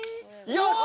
よし！